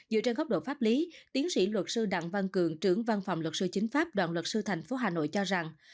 dựa trên góc độ pháp lý tiến sĩ luật sư đặng văn cường trưởng văn phòng luật sư chính pháp đoàn luật sư tp hà nội cho rằng